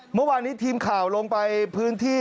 เมื่อวานนี้ทีมข่าวลงไปพื้นที่